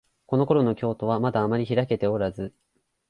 このころの京都は、まだあまりひらけておらず、